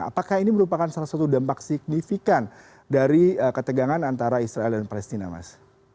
apakah ini merupakan salah satu dampak signifikan dari ketegangan antara israel dan palestina mas